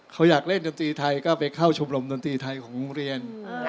เขาอยากเล่นดนตรีไทยก็ไปเข้าชมรมดนตรีไทยของโรงเรียน